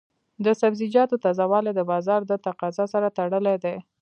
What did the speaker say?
د سبزیجاتو تازه والی د بازار د تقاضا سره تړلی دی.